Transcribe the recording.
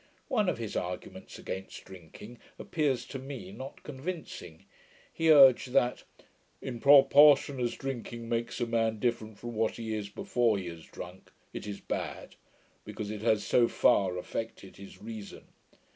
One of his arguments against drinking, appears to me not convincing. He urged, that, 'in proportion as drinking makes a man different from what he is before he has drunk, it is bad; because it has so far affected his reason'.